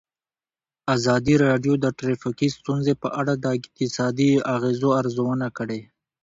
ازادي راډیو د ټرافیکي ستونزې په اړه د اقتصادي اغېزو ارزونه کړې.